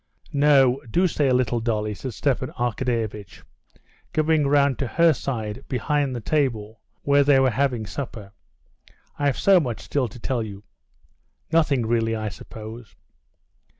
"No, do stay a little, Dolly," said Stepan Arkadyevitch, going round to her side behind the table where they were having supper. "I've so much still to tell you." "Nothing really, I suppose."